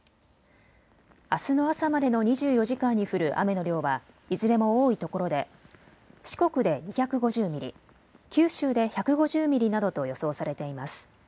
あすの朝までの２４時間に降る雨の量はいずれも多いところで四国で２５０ミリ、九州で１５０ミリなどと予想されています。